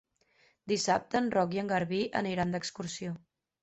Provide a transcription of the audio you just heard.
Dissabte en Roc i en Garbí aniran d'excursió.